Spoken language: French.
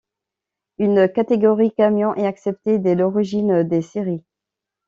Une catégorie camion est acceptée dès l'origine des Series.